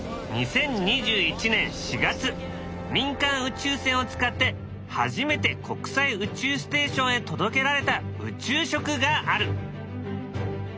２０２１年４月民間宇宙船を使って初めて国際宇宙ステーションへ届けられた宇宙食がある。